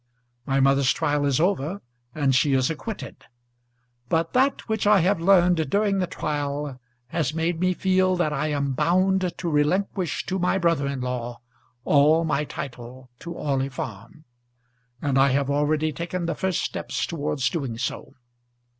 My mother's trial is over, and she is acquitted; but that which I have learned during the trial has made me feel that I am bound to relinquish to my brother in law all my title to Orley Farm, and I have already taken the first steps towards doing so.